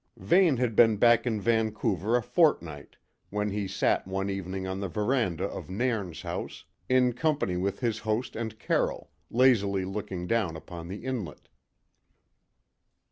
Vane had been back in Vancouver a fortnight when he sat one evening on the verandah of Nairn's house in company with his host and Carroll, lazily looking down upon the inlet.